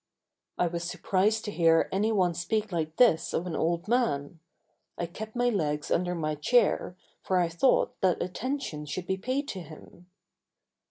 I was surprised to hear any one speak like this of an old man. I kept my legs under my chair, for I thought that attention should be paid to him.